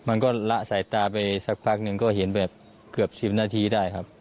มันก็ละสายตาไปสักพักหนึ่งก็เห็นแบบเกือบ๑๐นาทีได้ครับ